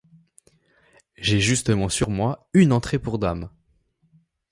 J'ai justement sur moi une entrée pour dame.